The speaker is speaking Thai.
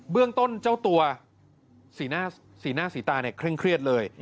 เบื้องต้นเจ้าตัวศรีหน้าศรีตาเคร่งเครียดเลย